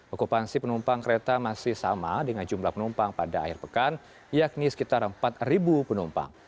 okupansi penumpang kereta masih sama dengan jumlah penumpang pada akhir pekan yakni sekitar empat penumpang